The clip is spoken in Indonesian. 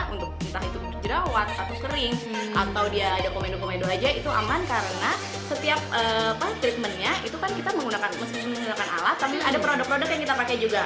untuk entah itu jerawat atau kering atau dia ada komedo komedo aja itu aman karena setiap treatmentnya itu kan kita menggunakan alat tapi ada produk produk yang kita pakai juga